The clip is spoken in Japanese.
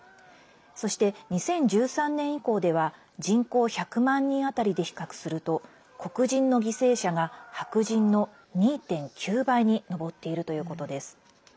そして、２０１３年以降では人口１００万人当たりで比較すると黒人の犠牲者が白人の２．９倍に上っているということです。